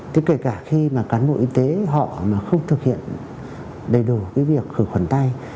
thế kể cả khi mà cán bộ y tế họ mà không thực hiện đầy đủ cái việc khử khuẩn tay